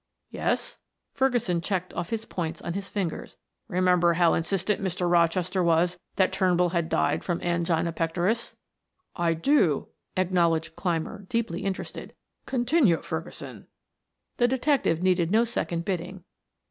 "Yes." Ferguson checked off his points on his fingers. "Remember how insistent Mr. Rochester was that Turnbull had died from angina pectoris?" "I do," acknowledged Clymer, deeply interested. "Continue, Ferguson." The detective needed no second bidding.